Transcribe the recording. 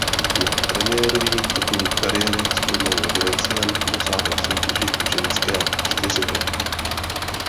Na premiérový titul kariéry z turnajů Grand Slam dosáhla v soutěži ženské čtyřhry.